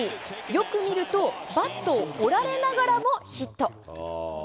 よく見ると、バットを折られながらもヒット。